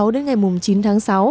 đến ngày chín tháng sáu